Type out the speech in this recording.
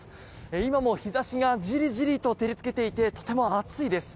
今も日差しがじりじりと照りつけていてとても暑いです。